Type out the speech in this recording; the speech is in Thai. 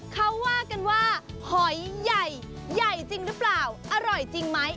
เขาว่ากันว่าหอยใหญ่ใหญ่จริงหรือเปล่าอร่อยจริงไหม